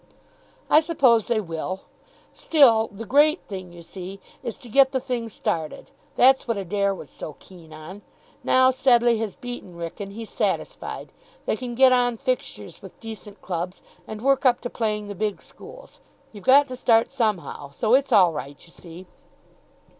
"I suppose they will. Still, the great thing, you see, is to get the thing started. That's what Adair was so keen on. Now Sedleigh has beaten Wrykyn, he's satisfied. They can get on fixtures with decent clubs, and work up to playing the big schools. You've got to start somehow. So it's all right, you see."